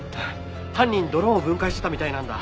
犯人ドローンを分解してたみたいなんだ。